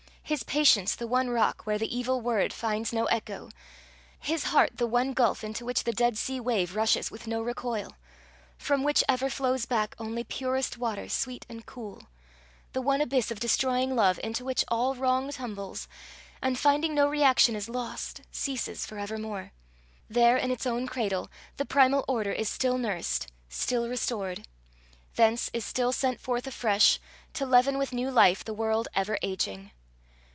his patience the one rock where the evil word finds no echo; his heart the one gulf into which the dead sea wave rushes with no recoil from which ever flows back only purest water, sweet and cool; the one abyss of destroying love, into which all wrong tumbles, and finding no reaction, is lost, ceases for evermore? there, in its own cradle, the primal order is still nursed, still restored; thence is still sent forth afresh, to leaven with new life the world ever ageing!